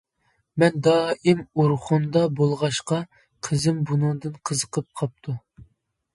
مەن دائىم ئورخۇندا بولغاچقا، قىزىم بۇنىڭغا قىزىقىپ قاپتۇ.